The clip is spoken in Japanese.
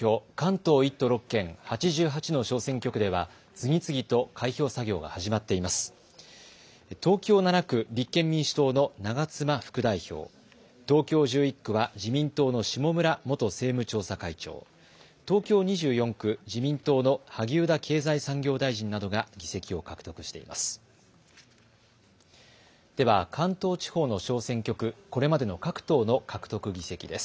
東京７区、立憲民主党の長妻副代表、東京１１区は自民党の下村元政務調査会長、東京２４区、自民党の萩生田経済産業大臣などが議席を獲得しています。